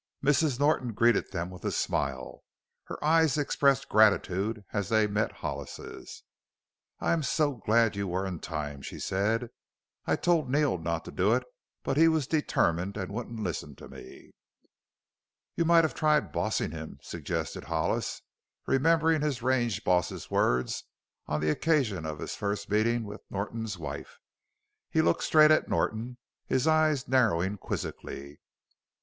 Mrs. Norton greeted them with a smile. Her eyes expressed gratitude as they met Hollis's. "I am so glad you were in time," she said. "I told Neil not to do it, but he was determined and wouldn't listen to me." "You might have tried 'bossing' him," suggested Hollis, remembering his range boss's words on the occasion of his first meeting with Norton's wife. He looked straight at Norton, his eyes narrowing quizzically.